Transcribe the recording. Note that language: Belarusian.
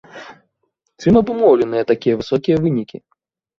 Чым абумоўленыя такія высокія вынікі?